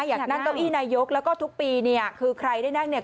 อยากนั่งเก้าอี้นายกแล้วก็ทุกปีเนี่ยคือใครได้นั่งเนี่ย